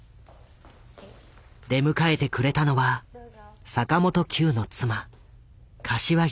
出迎えてくれたのは坂本九の妻柏木由紀子。